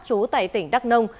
chú tại tỉnh đắk nông